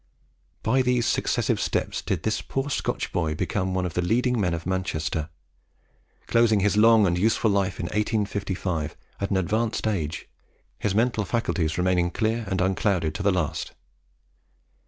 By these successive steps did this poor Scotch boy become one of the leading men of Manchester, closing his long and useful life in 1855 at an advanced age, his mental faculties remaining clear and unclouded to the last.